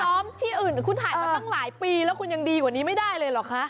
ที่อื่นคุณถ่ายมาตั้งหลายปีแล้วคุณยังดีกว่านี้ไม่ได้เลยเหรอคะ